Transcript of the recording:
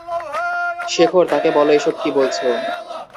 শেখর, তাকে বলো এইসব কি বলছো?